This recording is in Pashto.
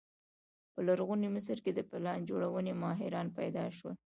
په لرغوني مصر کې د پلان جوړونې ماهران پیدا شول.